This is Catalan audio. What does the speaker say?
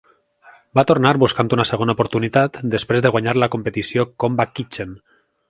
Va tornar buscant una segona oportunitat després de guanyar la competició Comeback Kitchen.